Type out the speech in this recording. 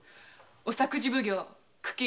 お作事奉行・九鬼九鬼？